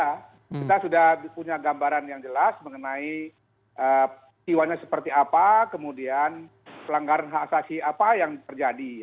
kita sudah punya gambaran yang jelas mengenai tiwanya seperti apa kemudian pelanggaran hak asasi apa yang terjadi